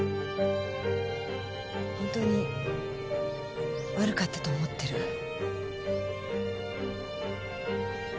本当に悪かったと思ってる。